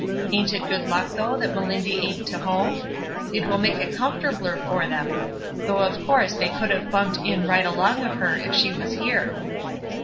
Ain't it good luck, though, that Melindy ain't to home? It will make it comfortabler for them ; though of course they could have bunked in right along of her if she was here."